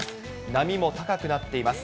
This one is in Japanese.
波も高くなっています。